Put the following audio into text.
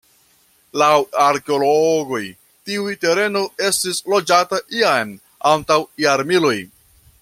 Laŭ arkeologoj tiu tereno estis loĝata jam antaŭ jarmiloj.